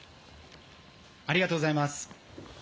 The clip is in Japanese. ありがとうございます。